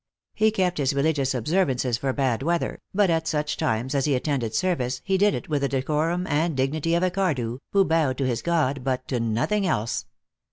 He kept his religious observances for bad weather, but at such times as he attended service he did it with the decorum and dignity of a Cardew, who bowed to his God but to nothing else.